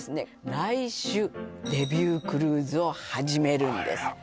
来週デビュークルーズを始めるんですあら